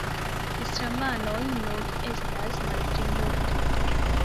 Islamanoj nur estas malplimulto.